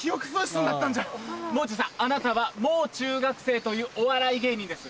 あなたは「もう中学生」というお笑い芸人です。